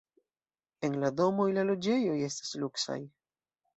En la domoj la loĝejoj estas luksaj.